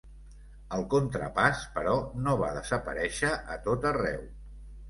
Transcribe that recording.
El contrapàs, però, no va desaparèixer a tot arreu.